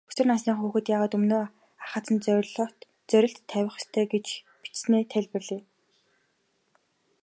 Өсвөр насны хүүхэд яагаад өмнөө ахадсан зорилт тавих ёстой гэж бичсэнээ тайлбарлая.